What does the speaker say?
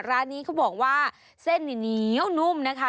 ร้านนี้เขาบอกว่าเส้นนี่เหนียวนุ่มนะคะ